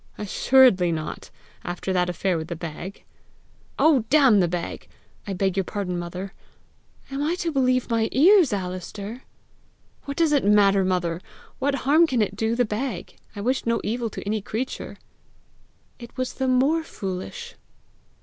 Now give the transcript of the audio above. "Assuredly not, after that affair with the bag!" "Oh, damn the bag! I beg your pardon, mother." "Am I to believe my ears, Alister?" "What does it matter, mother? What harm can it do the bag? I wished no evil to any creature!" "It was the more foolish."